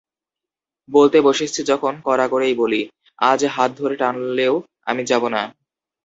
বলতে বসেছি যখন কড়া করেই বলি, আজ হাত ধরে টানলেও আমি যাব না।